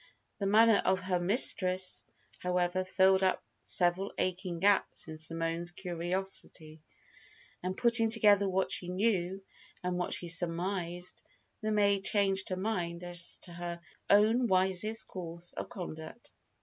The manner of her mistress, however, filled up several aching gaps in Simone's curiosity; and putting together what she knew and what she surmised, the maid changed her mind as to her own wisest course of conduct.